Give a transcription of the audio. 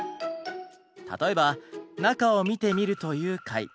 例えば「中を見てみる」という回。